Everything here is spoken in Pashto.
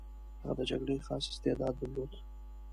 هغه د جګړې خاص استعداد درلود.